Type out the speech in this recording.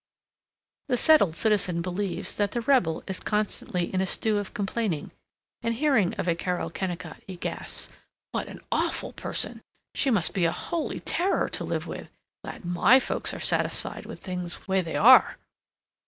The settled citizen believes that the rebel is constantly in a stew of complaining and, hearing of a Carol Kennicott, he gasps, "What an awful person! She must be a Holy Terror to live with! Glad MY folks are satisfied with things way they are!"